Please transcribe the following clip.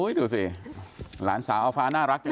ดูสิหลานสาวอาฟ้าน่ารักจริง